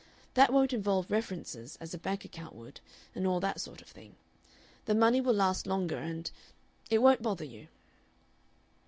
That won't involve references, as a bank account would and all that sort of thing. The money will last longer, and it won't bother you."